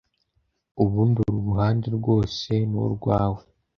Ubundi uru ruhande rwose nu rwawe